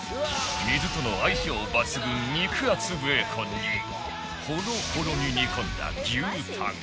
水との相性抜群肉厚ベーコンにほろほろに煮込んだ牛タン